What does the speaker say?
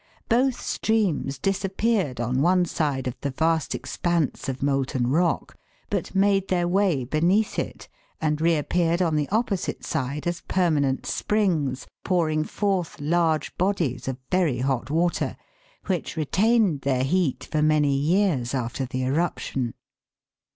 Both streams disappeared on one side of the vast expanse ot molten rock, but made their way beneath it and reappeared on the opposite side as permanent springs pouring forth large bodies of very hot water, which retained their heat for many years after the eruption.